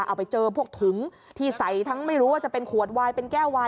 เอาไปเจอพวกถุงที่ใส่ทั้งไม่รู้ว่าจะเป็นขวดวายเป็นแก้ววาย